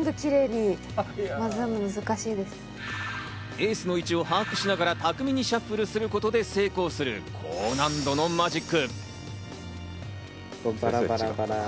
エースの位置を把握しながら、巧みにシャッフルすることで成功する高難度のマジック。